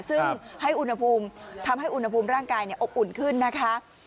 ซึ่งให้อุณหภูมิทำให้อุณหภูมิร่างกายอบอุ่นขึ้นนะคะ